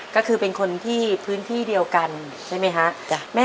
ก็คือเป็นคนที่พื้นที่เดียวกันใช่ไหมคะ